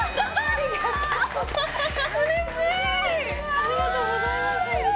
ありがとうございます